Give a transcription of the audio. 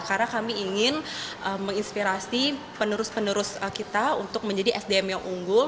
karena kami ingin menginspirasi penerus penerus kita untuk menjadi sdm yang unggul